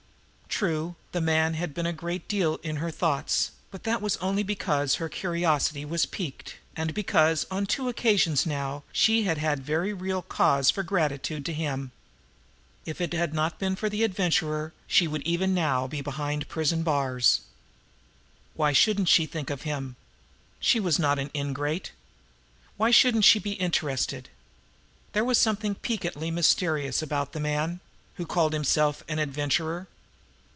True, the man had been a great deal in her thoughts, but that was only because her curiosity was piqued, and because on two occasions now she had had very real cause for gratitude to him. If it had not been for the Adventurer, she would even now be behind prison bars. Why shouldn't she think of him? She was not an ingrate! Why shouldn't she be interested? There was something piquantly mysterious about the man who called himself an adventurer.